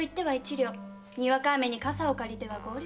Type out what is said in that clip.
にわか雨に傘を借りては五両。